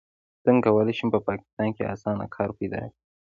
څنګه کولی شم په پاکستان کې اسانه کار پیدا کړم